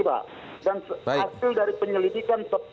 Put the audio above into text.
dan hasil dari penyelidikan